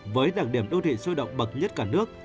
với đặc điểm đô thị sôi động bậc nhất cả nước